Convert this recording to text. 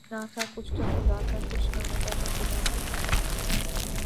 نہ تھا کچھ تو خدا تھا، کچھ نہ ہوتا تو خدا ہوتا